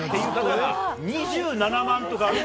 ２７万とか。